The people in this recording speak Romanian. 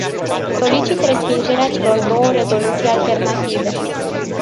Solicit respingerea celor două rezoluții alternative.